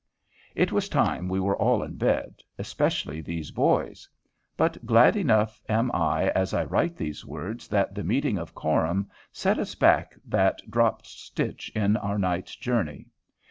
It was time we were all in bed, especially these boys. But glad enough am I as I write these words that the meeting of Coram set us back that dropped stitch in our night's journey.